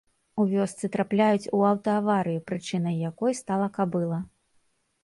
У вёсцы трапляюць у аўта-аварыю, прычынай якой стала кабыла.